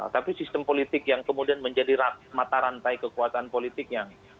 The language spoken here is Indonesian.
tapi sistem politik yang kemudian menjadi mata rantai kekuatan politik yang